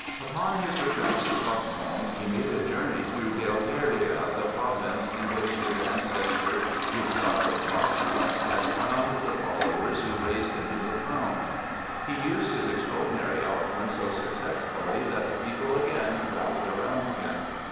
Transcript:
Upon his return to Stockholm, he made a journey through Dalecarlia, the province in which his ancestor Gustavus Vasa had found the followers who raised him to the throne; he used his extraordinary eloquence so successfully that the people again rallied round him.